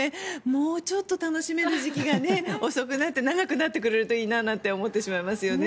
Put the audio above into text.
もうちょっと楽しめる時期が遅くなって、長くなってくれるといいななんて思ってしまいますよね。